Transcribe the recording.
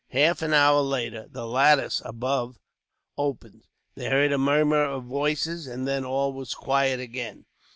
Half an hour later, the lattice above opened. They heard a murmur of voices, and then all was quiet again.